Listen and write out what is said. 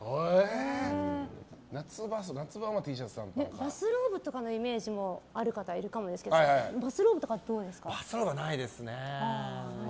バスローブとかのイメージもある方いらっしゃいますがバスローブはないですね。